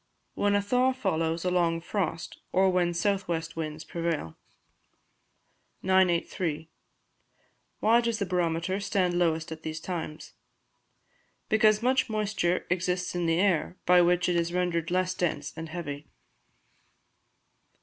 _ When a thaw follows a long frost, or when south west winds prevail. 983. Why does the Barometer stand lowest at these Times? Because much moisture exists in the air, by which it is rendered less dense and heavy.